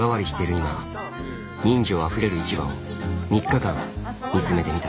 今人情あふれる市場を３日間見つめてみた。